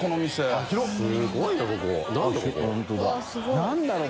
何だろう？